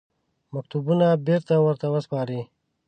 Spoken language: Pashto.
مکتوبونه بېرته ورته وسپاري.